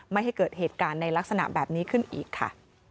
ไม่ให้เกิดเหตุการณ์ในลักษณะแบบนี้ขึ้นอีกค่ะ